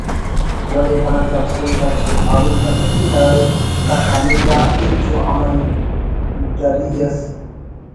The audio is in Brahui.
ولے بھاز افسوز اٹ پاروئی تمک کہ داڑے دا کانود آ ہچ ءُ عملدری اس